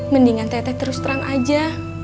mendingan teteh terus terang aja